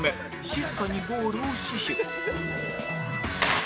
静かにゴールを死守